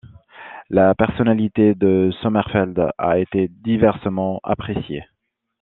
La personnalité de Sommerfeld a été diversement appréciée.